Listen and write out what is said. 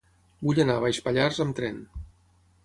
Vull anar a Baix Pallars amb tren.